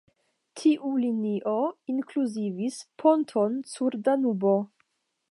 Tiu linio inkluzivis ponton sur Danubo.